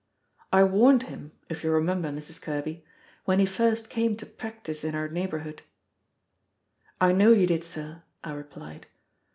I warned him (if you remember, Mrs. Kerby?) when he first came to practice in our neighborhood." "I know you did, sir," I replied.